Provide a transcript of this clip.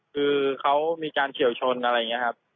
คือเขามีการเฉียวชนอะไรอย่างนี้ครับ